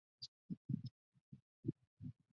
腺独行菜